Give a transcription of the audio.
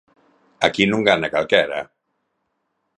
Aquí non gana calquera.